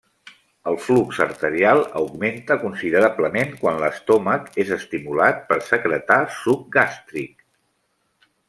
El flux arterial augmenta considerablement quan l'estómac és estimulat per secretar suc gàstric.